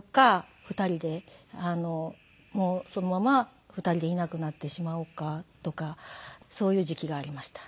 もうそのまま２人でいなくなってしまおうかとかそういう時期がありました。